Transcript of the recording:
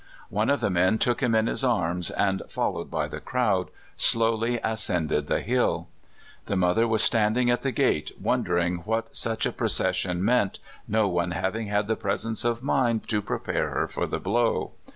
One of the men took him in his arms, and, followed by the crowd, slowly ascended the hill. The mother was standing at the gate, wondering what such a procession meant, no one having had the presence of mind to prepare her for the blow.